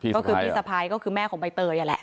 ก็คือพี่สะพ้ายก็คือแม่ของใบเตยนั่นแหละ